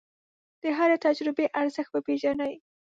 د هرې تجربې ارزښت وپېژنئ.